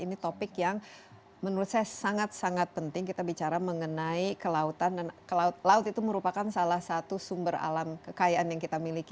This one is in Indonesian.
ini topik yang menurut saya sangat sangat penting kita bicara mengenai kelautan dan ke laut itu merupakan salah satu sumber alam kekayaan yang kita miliki